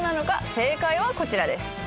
正解はこちらです。